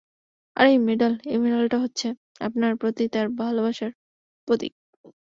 আর এই মেডাল, এই মেডালটা হচ্ছে আপনার প্রতি তার ভালোবাসার প্রতীক।